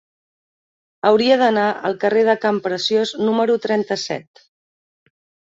Hauria d'anar al carrer de Campreciós número trenta-set.